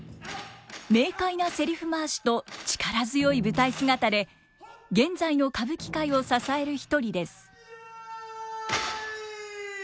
明快なせりふ回しと力強い舞台姿で現在の歌舞伎界を支える一人です。